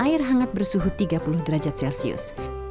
air hangat bersuhu tiga puluh derajat celcius